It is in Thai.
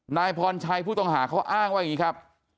นายพรชัยผู้ต้องหาเขาอ้างว่าอย่างนี้ครับ